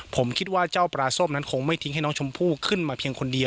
ผมคิดว่าเจ้าปลาส้มนั้นคงไม่ทิ้งให้น้องชมพู่ขึ้นมาเพียงคนเดียว